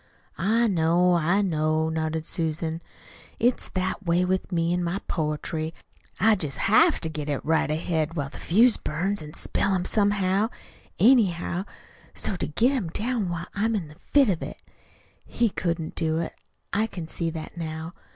"I know, I know," nodded Susan. "It's that way with me in my poetry. I jest HAVE to get right ahead while the fuse burns, an' spell 'em somehow, anyhow, so's to get 'em down while I'm in the fit of it. He couldn't do it. I can see that now.